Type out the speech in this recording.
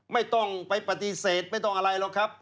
ไม่ต้องไปปฏิเสธไม่ต้องอะไรหรอกครับ